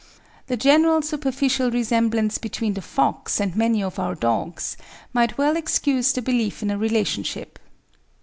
The general superficial resemblance between the fox and many of our dogs, might well excuse the belief in a relationship.